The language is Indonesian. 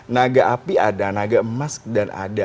naga api ada naga emas dan ada